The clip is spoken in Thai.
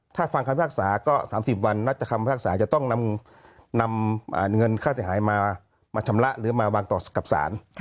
ถ้าฟังคำพิพากษาก็๓๐วันนัดคำพิพากษาจะต้องนำเงินค่าเสียหายมาชำระหรือมาวางต่อกับศาล